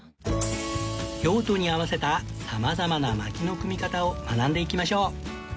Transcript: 用途に合わせた様々な薪の組み方を学んでいきましょう